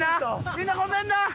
みんなごめんな！